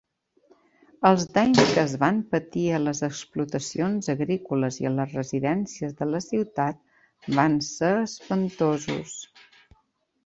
Els danys que es van patir a les explotacions agrícoles i a les residències de la ciutat van ser espantosos.